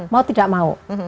mau tidak mau